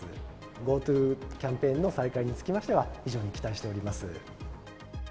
ＧｏＴｏキャンペーンの再開につきましては、非常に期待しております。